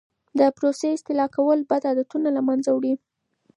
د پروسې اصلاح کول بد عادتونه له منځه وړي.